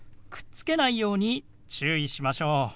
くっつけないように注意しましょう。